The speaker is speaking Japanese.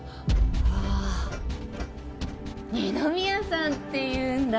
あぁ二宮さんっていうんだ。